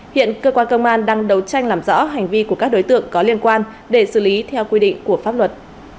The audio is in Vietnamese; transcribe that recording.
hiện cơ quan công an đang đấu tranh làm rõ hành vi của các đối tượng có liên quan để xử lý theo quy định của pháp luật